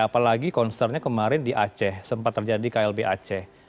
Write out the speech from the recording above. apalagi konsernya kemarin di aceh sempat terjadi klb aceh